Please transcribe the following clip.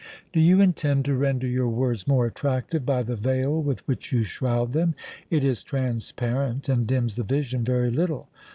"Do you intend to render your words more attractive by the veil with which you shroud them? It is transparent, and dims the vision very little.